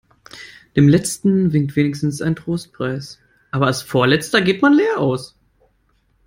Dem Letzten winkt wenigstens ein Trostpreis, aber als Vorletzter geht man leer aus.